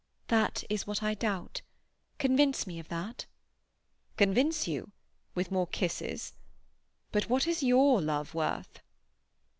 "That is what I doubt. Convince me of that." "Convince you? With more kisses? But what is your love worth?"